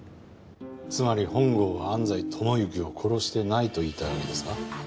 つまり本郷は安西友幸を殺してないと言いたいわけですか？